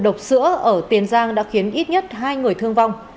độc sữa ở tiền giang đã khiến ít nhất hai người thương vong